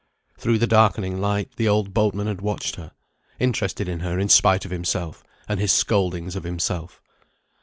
Through the darkening light the old boatman had watched her: interested in her in spite of himself, and his scoldings of himself.